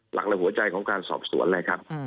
หลักและหัวใจของการสอบสวนเลยครับ